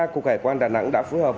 cục hải quan đà nẵng đã phối hợp